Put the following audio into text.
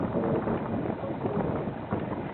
ঐভাবে দর্শন পেলে বহুক্ষণ তার ধ্যান করবে।